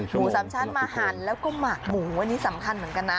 หมูสามชั้นมาหั่นแล้วก็หมักหมูอันนี้สำคัญเหมือนกันนะ